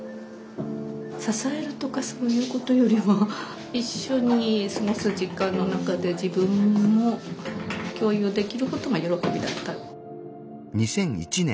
支えるとかそういうことよりも一緒に過ごす時間の中で自分も共有できることが喜びだった。